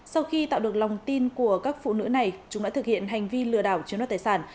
sau khi tạo được lòng tin của các phụ nữ này chúng đã thực hiện hành vi lừa đảo chiếm đoạt tài sản